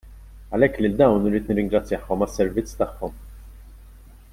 Għalhekk lil dawn irrid nirringrazzjahom għas-servizz tagħhom.